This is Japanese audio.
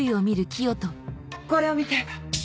これを見て。